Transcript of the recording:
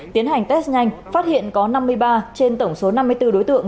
tiến hành test nhanh phát hiện có năm mươi ba trên tổng số năm mươi bốn đối tượng